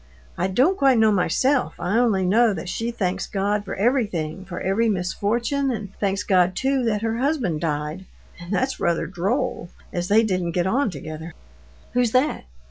"I don't quite know myself. I only know that she thanks God for everything, for every misfortune, and thanks God too that her husband died. And that's rather droll, as they didn't get on together." "Who's that?